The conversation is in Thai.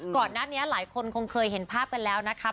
ก่อนหน้านี้หลายคนคงเคยเห็นภาพกันแล้วนะครับ